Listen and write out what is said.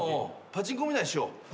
パチンコみたいにしよう。